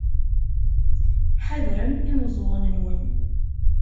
Ḥadrem imeẓẓuɣen-nwen.